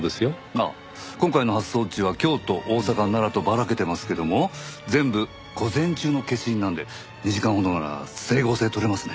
ああ今回の発送地は京都大阪奈良とバラけてますけども全部午前中の消印なんで２時間ほどなら整合性とれますね。